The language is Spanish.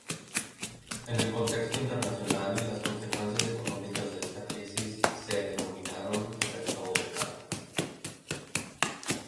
En el contexto internacional, las consecuencias económicas de esta crisis se denominaron "Efecto Vodka".